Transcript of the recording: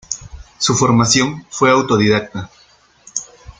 Su formación fue autodidacta.